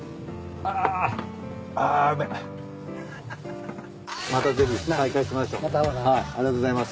ありがとうございます。